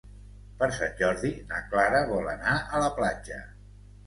Per Sant Jordi na Clara vol anar a la platja.